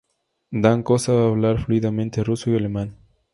Danko sabe hablar fluidamente ruso y alemán.